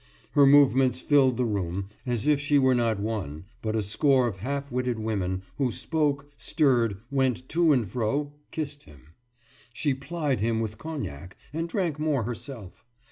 Her movements filled the room, as if she were not one but a score of half witted women who spoke, stirred, went to and fro, kissed him. She plied him with cognac, and drank more herself.